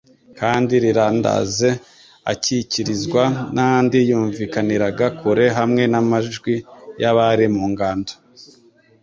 kandi rirandaze akikirizwa n'andi yumvikaniraga kure hamwe n'amajwi y'abari mu ngando.